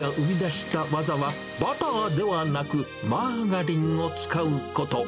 父が生み出した技は、バターではなくマーガリンを使うこと。